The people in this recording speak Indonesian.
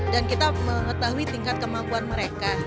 dan kita mengetahui tingkat kemampuan mereka